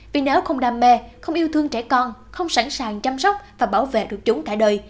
vì nếu không đam mê không yêu thương trẻ con không sẵn sàng chăm sóc và bảo vệ được chúng cả đời